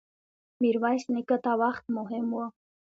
ميرويس نيکه ته وخت مهم و.